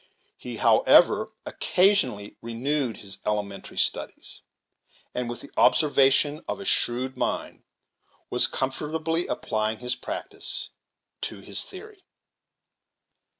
He however, occasionally renewed his elementary studies, and, with the observation of a shrewd mind, was comfort ably applying his practice to his theory.